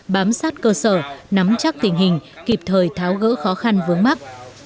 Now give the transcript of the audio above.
bám sát cơ sở nắm chắc tình hình kịp thời tháo gỡ khó khăn vướng mắt